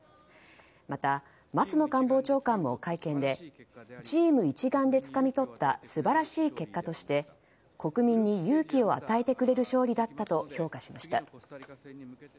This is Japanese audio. また松野官房長官も会見でチーム一丸でつかみ取った素晴らしい結果として国民に勇気を与えてくれる勝利だったと評価しました。